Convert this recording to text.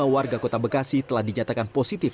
tujuh puluh lima warga kota bekasi telah dinyatakan positif